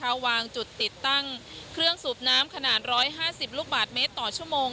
เขาวางจุดติดตั้งเครื่องสูบน้ำขนาด๑๕๐ลูกบาทเมตรต่อชั่วโมง